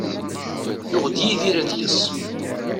Yuɣ-d Yidir adlis.